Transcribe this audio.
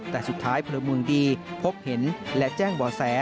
แต่สุดท้ายพลเมืองดีพบเห็นและแจ้งบ่อแส